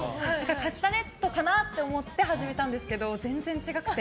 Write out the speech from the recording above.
カスタネットかなと思って始めたんですけど全然違くて。